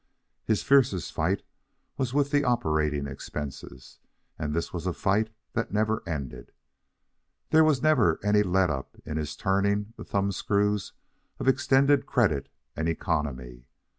His fiercest fight was with the operating expenses, and this was a fight that never ended. There was never any let up in his turning the thumb screws of extended credit and economy.